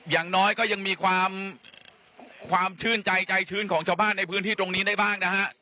อย่างน้อยก็ยังมีความความชื่นใจใจชื้นของชาวบ้านในพื้นที่ตรงนี้ได้บ้างนะฮะ